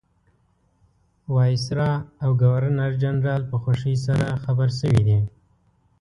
وایسرا او ګورنرجنرال په خوښۍ سره خبر شوي دي.